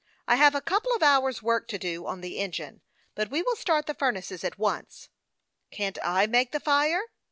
" I have a couple of hours' work to do on the engine ; but we will start the furnaces at once." " Can't I make the fire